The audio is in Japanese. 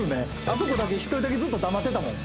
あそこだけ１人だけずっと黙ってたもん